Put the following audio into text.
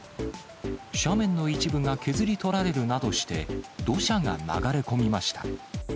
斜面の一部が削り取られるなどして、土砂が流れ込みました。